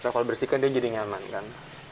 kalau bersihkan dia jadi nyaman kan